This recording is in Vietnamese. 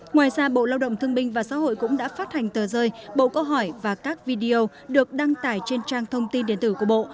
ngoài ra bộ lao động thương binh và xã hội cũng đã phát hành tờ rơi bộ câu hỏi và các video được đăng tải trên trang thông tin điện tử của bộ